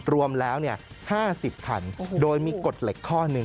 รวมแล้ว๕๐คันโดยมีกฎเหล็กข้อ๑